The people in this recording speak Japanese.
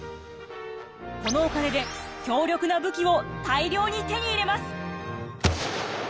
このお金で強力な武器を大量に手に入れます！